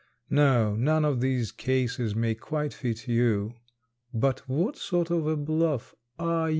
No, none of these cases may quite fit you, But what sort of a bluff are you?